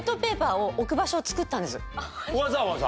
わざわざ？